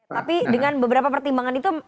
tapi dengan beberapa pertimbangan itu